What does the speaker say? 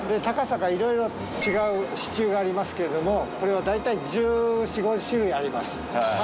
高さがいろいろ違う支柱がありますけれどもこれは大体１４１５種類あります。